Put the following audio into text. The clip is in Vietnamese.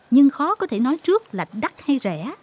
nhưng khó có thể nói trước là đắt hay rẻ